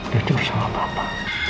jujur sama papa